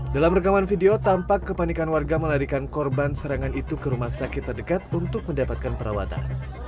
dalam rekaman video tampak kepanikan warga melarikan korban serangan itu ke rumah sakit terdekat untuk mendapatkan perawatan